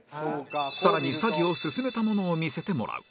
更に作業を進めたものを見せてもらう